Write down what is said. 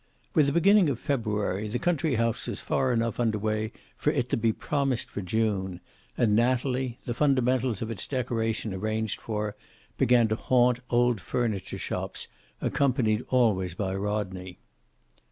With the beginning of February the country house was far enough under way for it to be promised for June, and Natalie, the fundamentals of its decoration arranged for, began to haunt old furniture shops, accompanied always by Rodney.